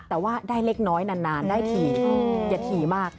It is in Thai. แต่ว่าได้เล็กน้อยนานได้ถี่อย่าถี่มาก